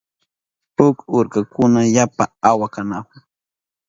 huk urkukuna yapa awa kanahun.